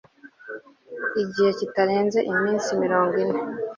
gihe kitarenze iminsi mirongo ine